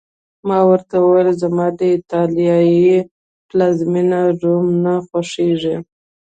ما ورته وویل: زما د ایټالیا پلازمېنه، روم نه خوښېږي.